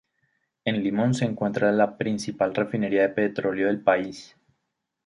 En Limón se encuentra la principal refinería de petróleo del país.